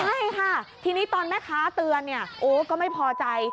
ใช่ค่ะทีนี้ตอนแม่ค้าเตือนเนี่ยโอ้ก็ไม่พอใจ